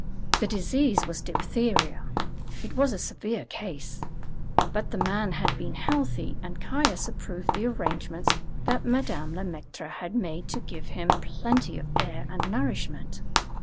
The disease was diphtheria. It was a severe case; but the man had been healthy, and Caius approved the arrangements that Madame Le Maître had made to give him plenty of air and nourishment.